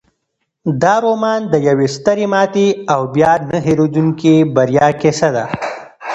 دا رومان د یوې سترې ماتې او بیا نه هیریدونکې بریا کیسه ده.